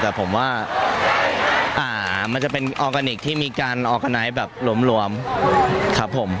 แต่ผมว่ามันจะเป็นออร์แกนิคที่มีการออร์กาไนท์แบบรวมครับผม